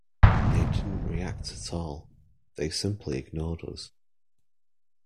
They didn't react at all; they simply ignored us.